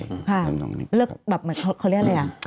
ค่ะเขาเรียกอะไรอย่าง